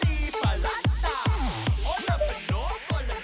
หยุดฝากถ้าจะกลับมา